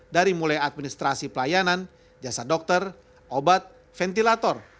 dari mulai administrasi pelayanan jasa dokter obat ventilator